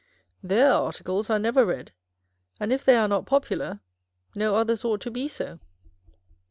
Their articles are never read, and if they are not popular, no others ought to be so.